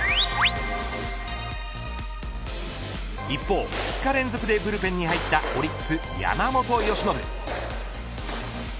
一方２日連続でブルペンに入ったオリックス、山本由伸。